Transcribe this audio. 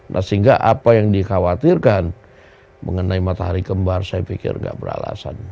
nah sehingga apa yang dikhawatirkan mengenai matahari kembar saya pikir nggak beralasan